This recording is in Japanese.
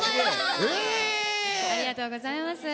ありがとうございます。